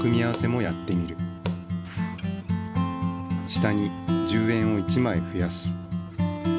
下に１０円を１まいふやす。